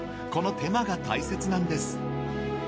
この手間が大切なんです。